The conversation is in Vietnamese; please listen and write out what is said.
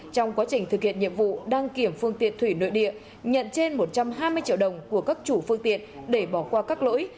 trong quá trình thực hiện nhiệm vụ đăng kiểm phương tiện thủy nội địa nhận trên một trăm hai mươi triệu đồng của các chủ phương tiện để bỏ qua các lỗi